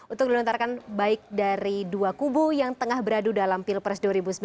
untuk dilontarkan baik dari dua kubu yang tengah beradu dalam pilpres dua ribu sembilan belas